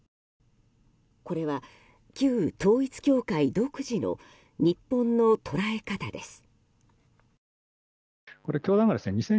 これは、旧統一教会独自の日本の捉え方です。